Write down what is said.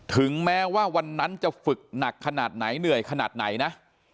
ถึงแม้ว่าวันนั้นจะฝึกหนักขนาดไหนเหนื่อยขนาดไหนนะ